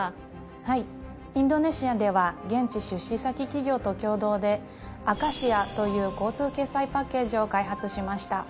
はいインドネシアでは現地出資先企業と共同でＡｃａｓｉａという交通決済パッケージを開発しました。